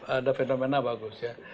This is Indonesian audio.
ada fenomena bagus ya